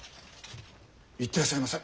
行ってらっしゃいませ！